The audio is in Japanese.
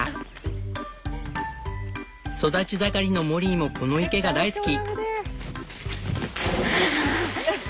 育ち盛りのモリーもこの池が大好き。